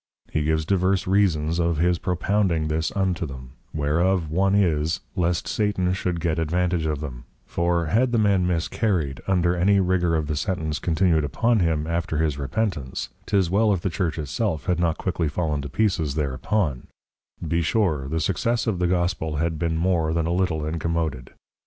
He gives divers Reasons of his propounding this unto them; whereof one is, Lest Satan should get advantage of them; for, had the man miscarried, under any Rigour of the Sentence continued upon him, after his Repentance, 'tis well if the Church itself had not quickly fallen to pieces thereupon; besure, the Success of the Gospel had been more than a little Incommoded.